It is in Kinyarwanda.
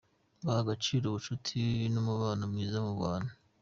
Baha agaciro ubucuti n’umubano mwiza mu bantu.